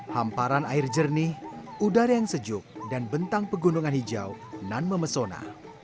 hamparan air jernih udara yang sejuk dan bentang pegunungan hijau nan memesona